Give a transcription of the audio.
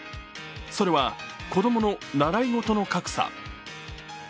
それは子供の習い事の格差。